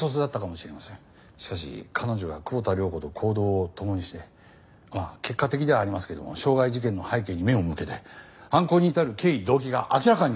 しかし彼女が久保田涼子と行動を共にしてまあ結果的ではありますけども傷害事件の背景に目を向けて犯行に至る経緯動機が明らかになったんです。